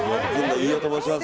飯尾と申します。